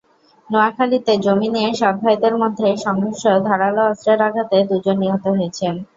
নোয়াখালীতে জমি নিয়ে সৎভাইদের মধ্যে সংঘর্ষে ধারালো অস্ত্রের আঘাতে দুজন নিহত হয়েছেন।